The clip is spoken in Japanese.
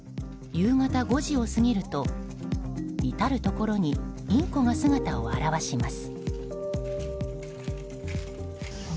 夕方５時を過ぎると至るところにインコが姿を現します。